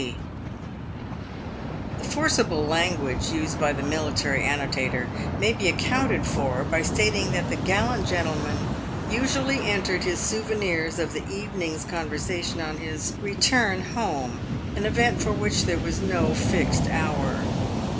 C." The forcible language used by the military annotator may be accounted for by stating that the gallant gentleman usually entered his souvenirs of the evening's con versation on his return home, an event for which there was no fixed hour.